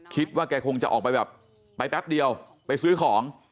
คิดว่าแกคงจะออกไปแบบไปแป๊บเดียวไปซื้อของ